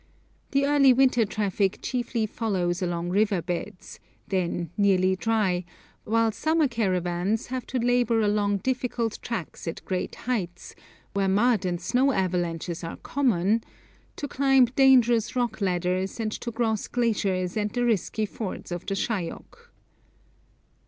The early winter traffic chiefly follows along river beds, then nearly dry, while summer caravans have to labour along difficult tracks at great heights, where mud and snow avalanches are common, to climb dangerous rock ladders, and to cross glaciers and the risky fords of the Shayok.